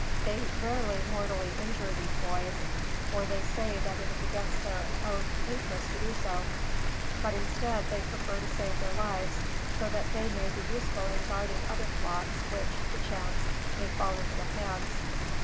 They rarely mortally injure these boys, for they say that it is against their own interest to do so; but instead, they prefer to save their lives, so that they may be useful in guarding other flocks which, perchance, may fall into their hands.